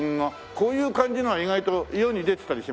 こういう感じのは意外と世に出てたりしますもんね。